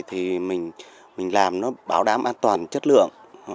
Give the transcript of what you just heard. thì mình làm nó bảo đảm an toàn chất lượng